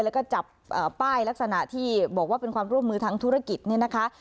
แล้วก็จับป้ายลักษณะที่บอกว่าเป็นความร่วมมือทางธุรกิจเนี่ยนะคะ